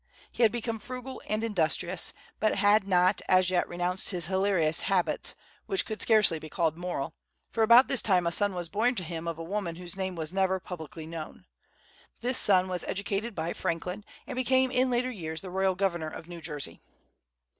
He had become frugal and industrious, but had not as yet renounced his hilarious habits, and could scarcely be called moral, for about this time a son was born to him of a woman whose name was never publicly known. This son was educated by Franklin, and became in later years the royal governor of New Jersey.